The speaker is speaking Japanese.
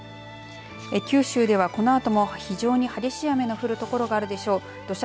九州ではこのあとも非常に激しい雨の降るところがあるでしょう。